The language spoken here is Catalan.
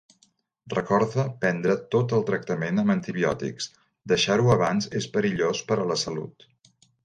Recorda prendre tot el tractament amb antibiòtics, deixar-ho abans és perillós per a la salut.